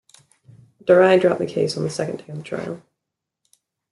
Durai dropped the case on the second day of the trial.